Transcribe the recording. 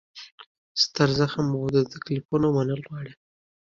ستر زغم او د تکلیفونو منل غواړي.